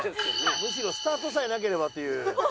むしろスタートさえなければという。